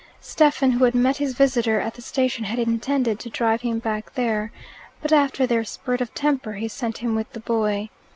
Stephen, who had met his visitor at the station, had intended to drive him back there. But after their spurt of temper he sent him with the boy.